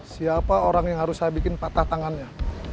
siapa orang yang harus saya bikin patah tangannya